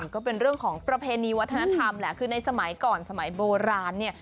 ก็เป็นเรื่องของประเพณีวัฒนธรรมแหละคือในสมัยก่อนสมัยโบราณเนี่ย